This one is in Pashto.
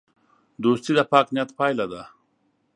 دوستي د پاک نیت پایله ده.